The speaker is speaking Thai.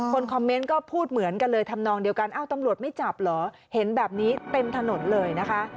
คอมเมนต์ก็พูดเหมือนกันเลยทำนองเดียวกันอ้าวตำรวจไม่จับเหรอเห็นแบบนี้เต็มถนนเลยนะคะ